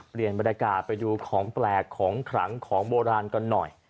เปลี่ยนบรรยากาศไปดูของแปลกของขลังของโบราณกันหน่อย